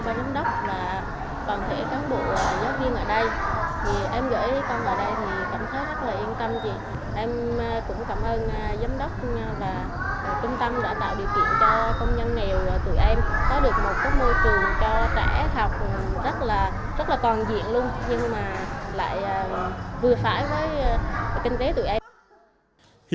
em cũng rất cảm ơn các giám đốc và phần thể cán bộ giáo viên ở đây